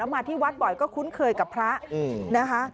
มาที่วัดบ่อยก็คุ้นเคยกับพระนะคะ